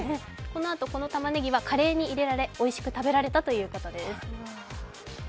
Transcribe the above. このあと、このたまねぎはカレーに入れられ、おいしくいただいたということです。